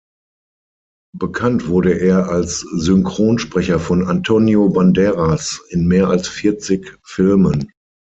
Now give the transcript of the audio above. Bekannt wurde er als Synchronsprecher von Antonio Banderas in mehr als vierzig Filmen.